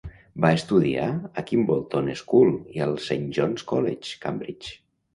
Va estudiar a Kimbolton School i al Saint John's College, Cambridge.